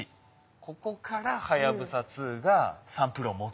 ここからはやぶさ２がサンプルを持ってきたと。